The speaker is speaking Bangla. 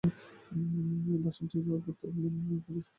আসনটির বর্তমান সংসদ সদস্য হলেন সমাজবাদী পার্টি-এর শ্রী আজম খান।